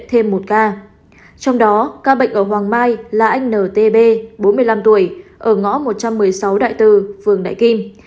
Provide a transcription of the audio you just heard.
trong đó ca bệnh ở hoàng mai là anh ntp bốn mươi năm tuổi ở ngõ một trăm một mươi sáu đại tư phường đại kim